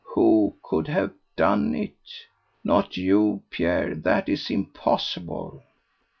Who could have done it? not you, Pierre, that is impossible."